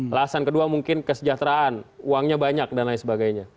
alasan kedua mungkin kesejahteraan uangnya banyak dan lain sebagainya